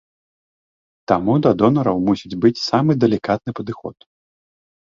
Таму да донараў мусіць быць самы далікатны падыход.